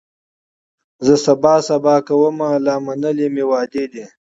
زه سبا سبا کومه لا منلي مي وعدې دي